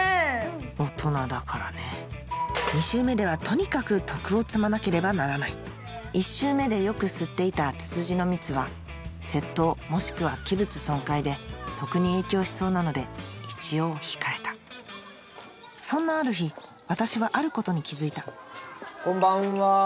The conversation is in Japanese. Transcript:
大人だからね２周目ではとにかく徳を積まなければならない１周目でよく吸っていたツツジの蜜は窃盗もしくは器物損壊で徳に影響しそうなので一応控えたそんなある日私はあることに気付いたこんばんは。